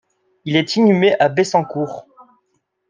Il est inhumé à Bessancourt.